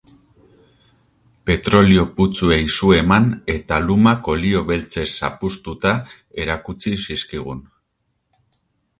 Petrolio putzuei su eman eta lumak olio beltzez zapuztuta erakutsi zizkigun.